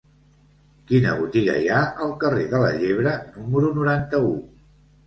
Quina botiga hi ha al carrer de la Llebre número noranta-u?